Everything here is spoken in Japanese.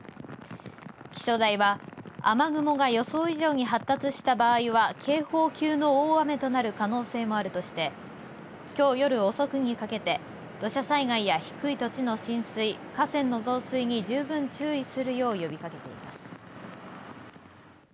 気象台は雨雲が予想以上に発達した場合は警報級の大雨となる可能性もあるとしてきょう夜遅くにかけて土砂災害や低い土地の浸水河川の増水に十分注意するよう呼びかけています。